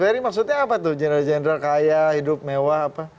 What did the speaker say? dari maksudnya apa tuh jenderal jenderal kaya hidup mewah apa